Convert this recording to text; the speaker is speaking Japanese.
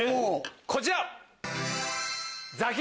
こちら。